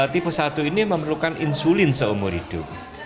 tipe satu ini memerlukan insulin seumur hidup